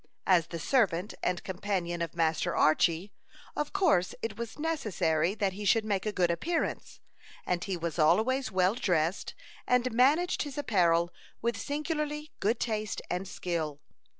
As the servant and companion of Master Archy, of course it was necessary that he should make a good appearance; and he was always well dressed, and managed his apparel with singularly good taste and skill.